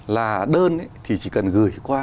là đơn thì chỉ cần gửi qua